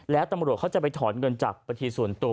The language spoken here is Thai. แล้วตำรวจเขาจะไปถอนเงินจากบัญชีส่วนตัว